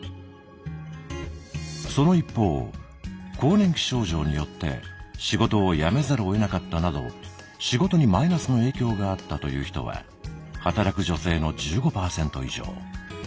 その一方更年期症状によって仕事を辞めざるをえなかったなど仕事にマイナスの影響があったという人は働く女性の１５％以上。